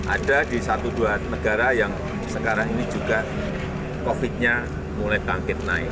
ada di satu dua negara yang sekarang ini juga covid nya mulai bangkit naik